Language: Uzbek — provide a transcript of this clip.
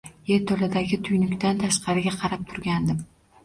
Yerto‘ladagi tuynukdan tashqari qarab turgandim